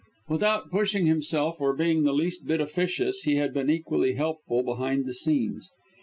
Without pushing himself, or being the least bit officious, he had been equally helpful behind the scenes.